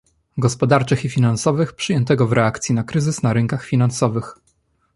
Gospodarczych i Finansowych przyjętego w reakcji na kryzys na rynkach finansowych